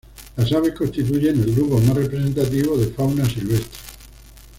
La aves constituyen el grupo más representativo de fauna silvestre.